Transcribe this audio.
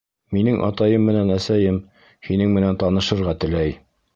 Минең атайым менән әсәйем һинең менән танышырға теләй.